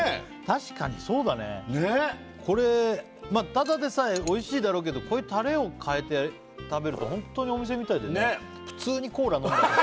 確かにそうだねねっこれただでさえおいしいだろうけどこういうタレをかえて食べるとホントにお店みたいだね